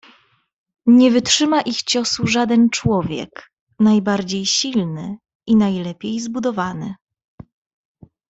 "Nie wytrzyma ich ciosu żaden człowiek najbardziej silny i najlepiej zbudowany."